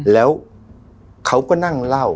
แล้วเขาก็นั่งเล่า